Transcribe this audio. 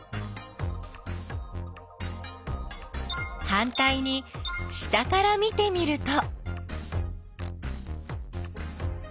はんたいに下から見てみると。